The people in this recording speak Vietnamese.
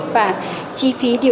và chi phí điều trị là bao nhiêu